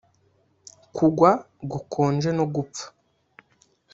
kugwa gukonje no gupfa.